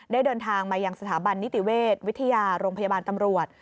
เดินทางมายังสถาบันนิติเวชวิทยาโรงพยาบาลตำรวจ